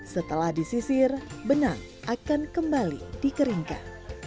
setelah disisir benang akan kembali dikeringkan